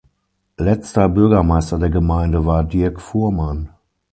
Letzter Bürgermeister der Gemeinde war Dirk Fuhrmann.